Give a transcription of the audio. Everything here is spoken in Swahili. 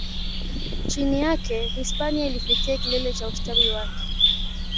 Chini yake, Hispania ilifikia kilele cha ustawi wake.